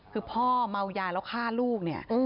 คือพ่อเมายาแล้วฆ่าลูกเนี่ย